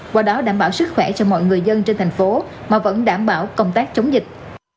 qua đó đảm bảo sức khỏe cho mọi người dân trên thành phố mà vẫn đảm bảo công tác chống dịch